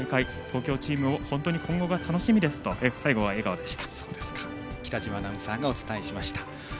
東京チームの今後が楽しみですと最後は笑顔でした。